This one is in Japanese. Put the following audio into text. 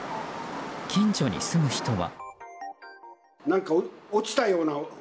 近所に住む人は。